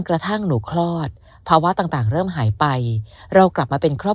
กระทั่งหนูคลอดภาวะต่างเริ่มหายไปเรากลับมาเป็นครอบครัว